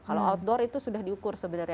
kalau outdoor itu sudah diukur sebenarnya